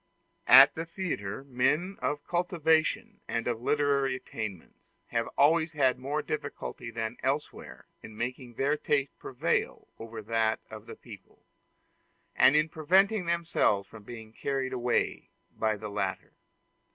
At the theatre, men of cultivation and of literary attainments have always had more difficulty than elsewhere in making their taste prevail over that of the people, and in preventing themselves from being carried away by the latter.